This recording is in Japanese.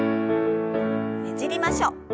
ねじりましょう。